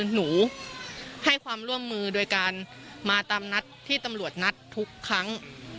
หนูให้ความร่วมมือโดยการมาตามนัดที่ตำรวจนัดทุกครั้ง